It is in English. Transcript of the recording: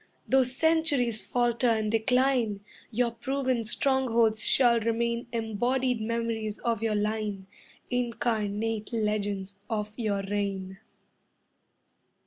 Though centuries falter and decline, Your proven strongholds shall remain Embodied memories of your line, Incarnate legends of your reign.